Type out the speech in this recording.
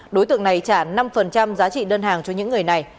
đối tượng này trả năm giá trị đơn hàng cho những người này